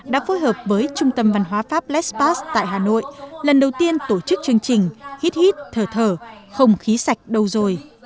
đã phối hợp với trung tâm văn hóa pháp lespat tại hà nội lần đầu tiên tổ chức chương trình hít hít thở thở không khí sạch đâu rồi